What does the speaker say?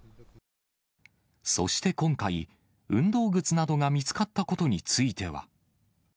そして今回、運動靴などが見つかったことについては。